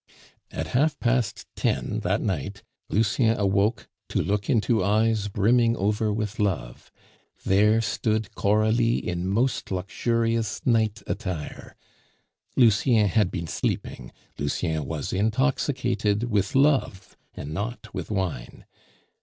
At half past ten that night Lucien awoke to look into eyes brimming over with love. There stood Coralie in most luxurious night attire. Lucien had been sleeping; Lucien was intoxicated with love, and not with wine.